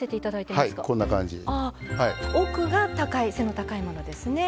奥が背の高いものですね。